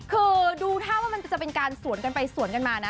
คือดูท่าว่ามันจะเป็นการสวนกันไปสวนกันมานะ